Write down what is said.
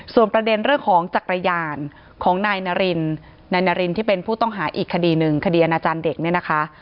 ส่วนประเด็นเรื่องของจักรยานของนายนารินนายนารินที่เป็นผู้ต้องหาอีกคดีหนึ่งคดีอาณาจารย์เด็กเนี่ยนะคะ